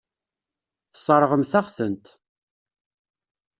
Tesseṛɣemt-aɣ-tent.